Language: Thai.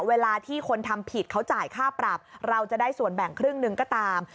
เวลาที่คนทำผิดเขาจ่ายค่าปรับเราจะได้ส่วนแบ่งครึ่งหนึ่งก็ตาม